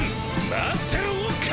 待ってろウォッカ！